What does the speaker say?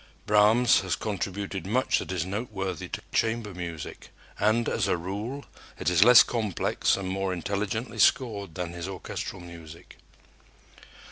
Brahms has contributed much that is noteworthy to chamber music, and, as a rule, it is less complex and more intelligently scored than his orchestral music.